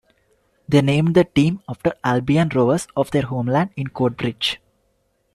They named the team after Albion Rovers of their homeland in Coatbridge.